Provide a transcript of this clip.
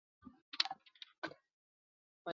上面所给的关系并不唯一决定此张量。